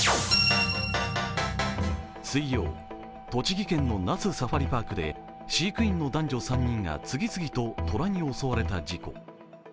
水曜、栃木県の那須サファリパークで飼育員の男女３人が次々とトラに襲われた事故。